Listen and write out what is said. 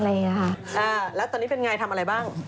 แล้วตอนนี้เป็นไงทำอะไรบ้าง